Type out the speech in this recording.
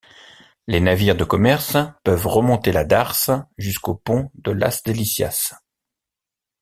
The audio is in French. Les navires de commerce peuvent remonter la darse jusqu'au pont de las Delicias.